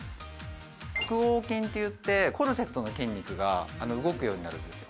「腹横筋っていってコルセットの筋肉が動くようになるんですよ」